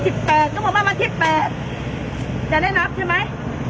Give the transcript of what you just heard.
สิบแปดก็บอกว่ามาที่แปดจะได้นับใช่ไหม